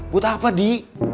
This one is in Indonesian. buat apa di